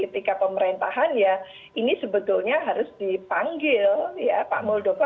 etika pemerintahan ya ini sebetulnya harus dipanggil pak muldoko